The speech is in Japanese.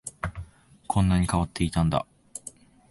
こんなに変わっていたんだ